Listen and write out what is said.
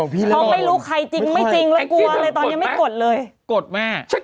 เขาไม่รู้ใครจริงไม่จริง